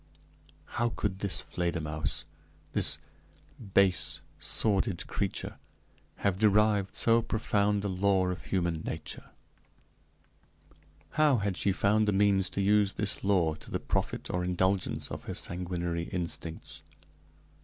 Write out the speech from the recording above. How could this Fledermausse, this base, sordid creature, have derived so profound a law of human nature? how had she found the means to use this law to the profit or indulgence of her sanguinary instincts?